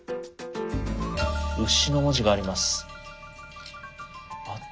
「牛」の文字があります。